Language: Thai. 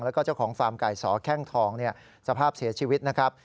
แล้วก็เจ้าของฟาร์มไก่สอแข้งทองสภาพเสียชีวิตนะครับ